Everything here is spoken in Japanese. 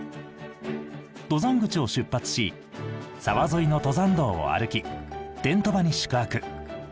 登山口を出発し沢沿いの登山道を歩きテント場に宿泊。